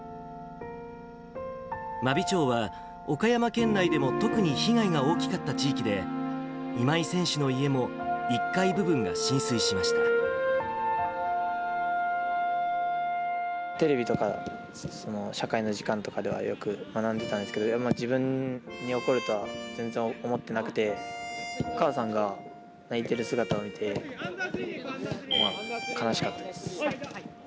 真備町は、岡山県内でも特に被害が大きかった地域で、今井選手のテレビとか、社会の時間とかではよく学んでたんですけど、自分に起こるとは全然思ってなくて、お母さんが泣いてる姿を見て、まあ、悲しかったです。